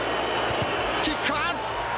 キックは？